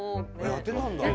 やってたんだ。